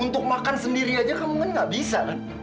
untuk makan sendiri saja kamu kan nggak bisa kan